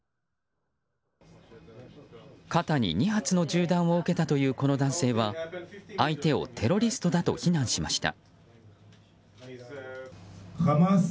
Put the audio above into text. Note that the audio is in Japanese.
肩に２発の銃弾を受けたというこの男性は相手をテロリストだと非難しました。